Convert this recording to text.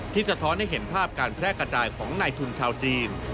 สะท้อนให้เห็นภาพการแพร่กระจายของในทุนชาวจีน